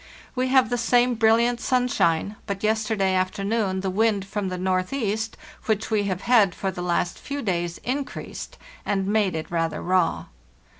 We have the same brilliant sunshine; but yesterday after noon the wind from the northeast, which we have had for the last few days, increased, and made it rather raw.